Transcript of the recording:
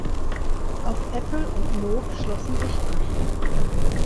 Auch Apple und Moog schlossen sich an.